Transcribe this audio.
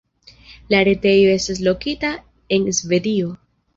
La retejo estas lokita en Svedio.